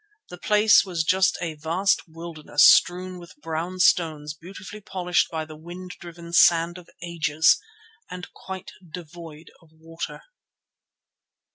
The place was just a vast wilderness strewn with brown stones beautifully polished by the wind driven sand of ages, and quite devoid of water.